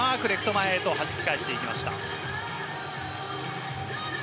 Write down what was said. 前へと弾き返していきました。